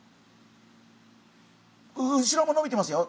後ろものびてますよ